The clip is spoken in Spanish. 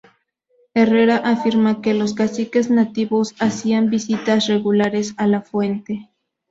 Herrera afirma que los caciques nativos hacían visitas regulares a la fuente.